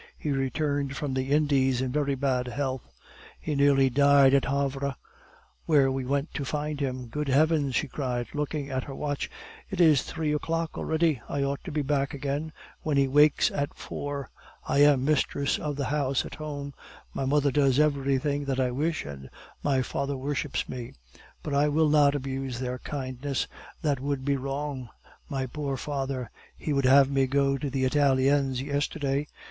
He returned from the Indies in very bad health. He nearly died at Havre, where we went to find him. Good heavens!" she cried, looking at her watch; "it is three o'clock already! I ought to be back again when he wakes at four. I am mistress of the house at home; my mother does everything that I wish, and my father worships me; but I will not abuse their kindness, that would be wrong. My poor father! He would have me go to the Italiens yesterday.